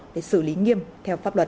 để xử lý nghiêm theo pháp luật